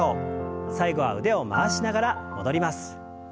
最後は腕を回しながら戻ります。